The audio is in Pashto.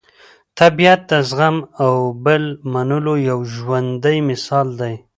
طبیعت د زغم او بل منلو یو ژوندی مثال دی.